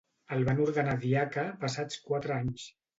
El van ordenar diaca passats quatre anys.